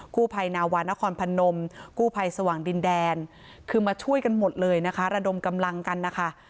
กู้ภัยนาวานครพนมกู้ภัยสว่างดินแดนคือมาช่วยกันหมดเลยนะคะระดมกำลังกันนะคะ